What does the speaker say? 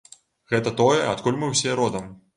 Гэта тое, адкуль мы ўсе родам.